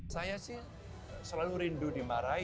saya sih selalu rindu dimarahi